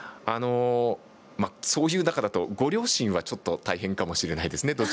そういう中だとご両親はちょっと大変かもしれないですね